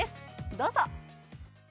どうぞ。